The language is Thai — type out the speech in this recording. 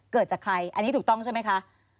เกิดจากใครอันนี้ถูกต้องใช่ไหมคะ